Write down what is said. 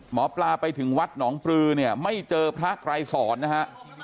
หมอปลาไปถึงวัดหนองปลือเนี่ยไม่เจอพระไกรสอนนะฮะ